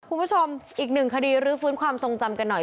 คุณผู้ชมอีกหนึ่งคดีรื้อฟื้นความทรงจำกันหน่อย